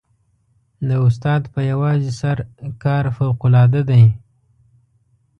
د استاد په یوازې سر کار فوقالعاده دی.